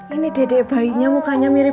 ini dedek bayinya mukanya mirip